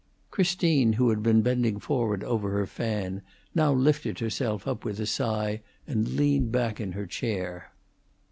Christine, who had been bending forward over her fan, now lifted herself up with a sigh and leaned back in her chair.